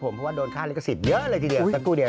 เพราะว่าโดนฆ่าลิขสิปเยอะเลยทีเดียวฤกษุดี